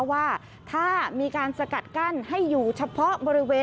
ว่าถ้ามีการสกัดกั้นให้อยู่เฉพาะบริเวณ